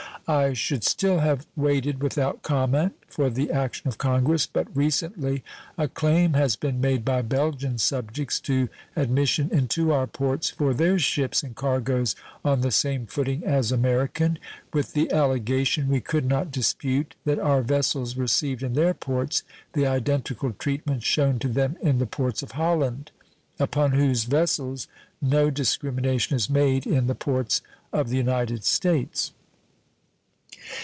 I should still have waited without comment for the action of Congress, but recently a claim has been made by Belgian subjects to admission into our ports for their ships and cargoes on the same footing as American, with the allegation we could not dispute that our vessels received in their ports the identical treatment shewn to them in the ports of Holland, upon whose vessels no discrimination is made in the ports of the United States.